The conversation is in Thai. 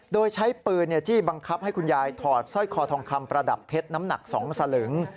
โดยใช้ปืนจี้บังคับให้คุณยายถอดสร้อยคอทองคำประดับเพชรน้ำหนัก๒สลึง